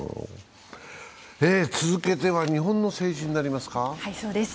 続けては日本の政治になりますか。